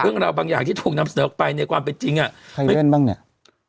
บางอย่างที่ถูกนำเสนอออกไปในความเป็นจริงอ่ะใครเล่นบ้างเนี่ย